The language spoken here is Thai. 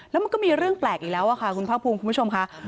แล้วมันก็มีเรื่องแปลกอีกแล้วค่ะคุณภาคภูมิคุณผู้ชมค่ะ